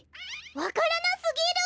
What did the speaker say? わからなすぎる！